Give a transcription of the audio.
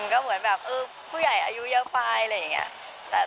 ก็เหมือนแบบเออผู้ใหญ่อายุเยอะไปอะไรอย่างนี้